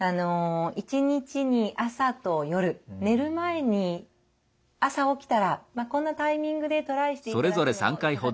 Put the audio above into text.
一日に朝と夜寝る前に朝起きたらこんなタイミングでトライしていただくのいかがでしょうか。